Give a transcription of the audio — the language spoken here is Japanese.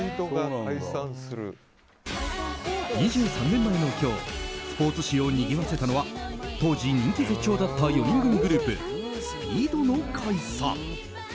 ２３年前の今日スポーツ紙をにぎわせたのは当時、人気絶頂だった４人組グループＳＰＥＥＤの解散。